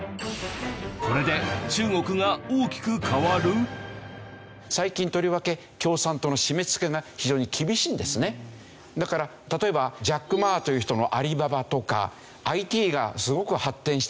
これで最近とりわけだから例えばジャック・マーという人のアリババとかＩＴがすごく発展してきたんですけど